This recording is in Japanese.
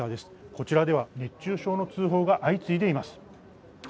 こちらでは熱中症の通報が相次いでいます。